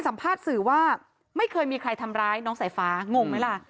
สื่อว่าไม่เคยมีใครทำร้ายน้องสายฟ้างงไหมล่ะ